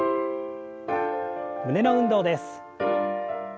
胸の運動です。